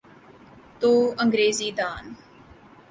تو انگریزی دان۔